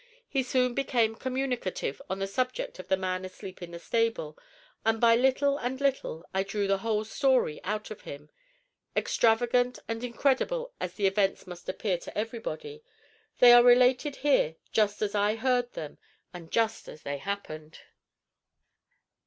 He soon became communicative on the subject of the man asleep in the stable, and by little and little I drew the whole story out of him. Extravagant and incredible as the events must appear to everybody, they are related here just as I heard them and just as they happened.